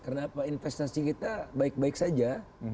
karena investasi kita baik baik saja